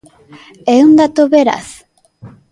É un dato veraz?